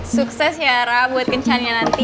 sukses ya ra buat kencannya nanti